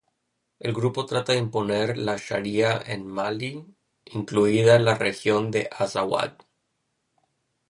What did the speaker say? El grupo trata de imponer la Sharia en Mali, incluida la región de Azawad.